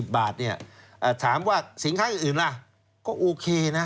๖๒๐๐๐๐บาทถามว่าสินค้าอื่นล่ะก็โอเคนะ